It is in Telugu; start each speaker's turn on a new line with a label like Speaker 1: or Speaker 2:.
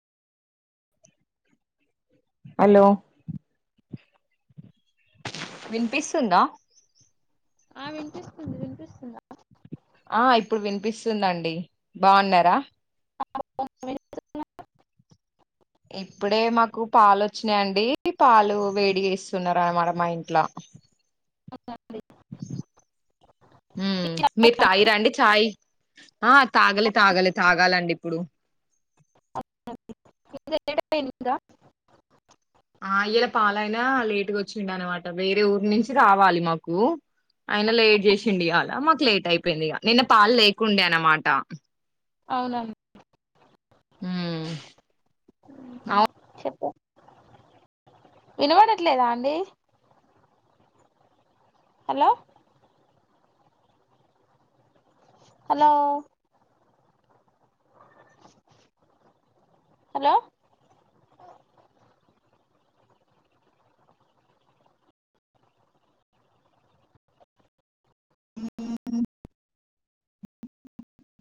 Speaker 1: హలో వినిపిస్తుందా
Speaker 2: ఆ వినిపిస్తుంది వినిపిస్తుందా
Speaker 1: ఆ ఇప్పుడు వినిపిస్తుందండి బాగున్నారా
Speaker 2: [unintelligible]
Speaker 1: ఇప్పుడే మాకు పాలు వచ్చినాయండి. పాలు వేడి చేస్తున్నారు రన్నమాట మా ఇంట్ల ఉ మీరు తాయిరా అండి చాయ్ ఆ తాగలె తాగలె తాగాలండి ఇప్పుడు
Speaker 2: [unintelligible]
Speaker 1: ఆ ఇలా పాలయినా లేట్గా వచ్చిందన్నమాటా. వేరే ఊరు నుంచి రావాలి మాకు. అయినా లేట్ జేసిండ యియలా మాకు లేట్ అయిపోయింది. ఇగ నిన్న పాలు లేకుండే అనమాట.
Speaker 2: అవునండి
Speaker 1: మ్మ్ ఆ
Speaker 2: చెప్పు వినవడట్లేదా అండి హలో హలో హలో